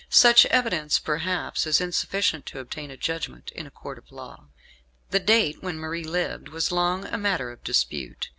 Such evidence, perhaps, is insufficient to obtain a judgment in a Court of Law. The date when Marie lived was long a matter of dispute.